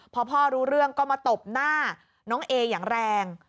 พอพ่อรู้เรื่องก็มาตบหน้าน้องเออย่างแรง